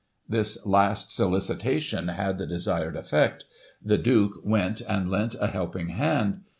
This last solicitation had the desired effect The Duke went and lent a helping hand.